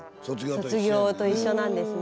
卒業と一緒なんですね。